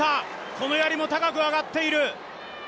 このやりも高く上がっている。